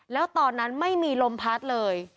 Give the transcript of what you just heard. แล้วตอนนั้นไม่มีลมพัดเลย